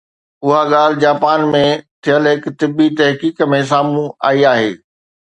اها ڳالهه جاپان ۾ ٿيل هڪ طبي تحقيق ۾ سامهون آئي آهي